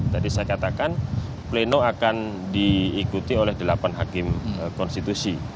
tadi saya katakan pleno akan diikuti oleh delapan hakim konstitusi